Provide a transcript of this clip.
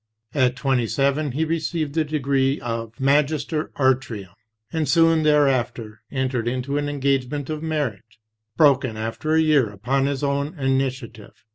At twenty seven he received the degree of Magister artium, and soon thereafter entered into an engagement of marriage, broken after a year upon his own initiative.